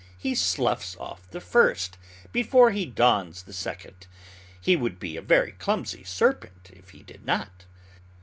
He sloughs off the first, before he dons the second. He would be a very clumsy serpent, if he did not.